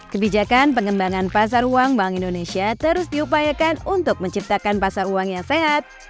kebijakan pengembangan pasar uang bank indonesia terus diupayakan untuk menciptakan pasar uang yang sehat